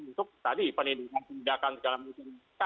untuk tadi penindakan penindakan segala macam